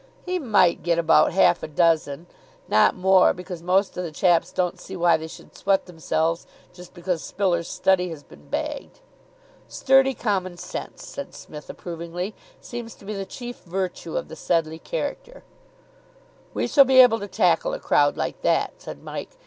"He might get about half a dozen, not more, because most of the chaps don't see why they should sweat themselves just because Spiller's study has been bagged." "Sturdy common sense," said Psmith approvingly, "seems to be the chief virtue of the Sedleigh character." "We shall be able to tackle a crowd like that," said Mike.